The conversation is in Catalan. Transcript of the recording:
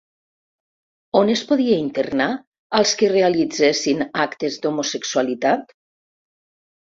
On es podia internar als que realitzessin actes d'homosexualitat?